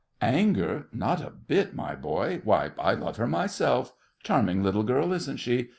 Anger! not a bit, my boy. Why, I love her myself. Charming little girl, isn't she?